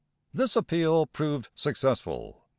This appeal proved successful.